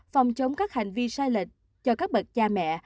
phòng chống các hành vi sai lệch cho các bậc cha mẹ